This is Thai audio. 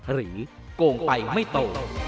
หรือโกงไปไม่โต